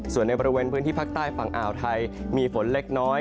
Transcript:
ส่วนในบริเวณพื้นที่ภาคใต้ฝั่งอ่าวไทยมีฝนเล็กน้อย